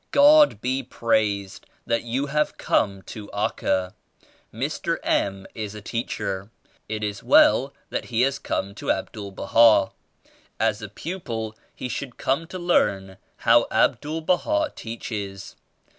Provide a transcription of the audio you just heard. God be praised that you have come to Accal Mr. M. is a teacher. It is well that he has come to Abdul Baha. As a pupil he should come to learn how Abdul Baha teaches.